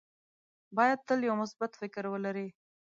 باید تل یو مثبت فکر ولره.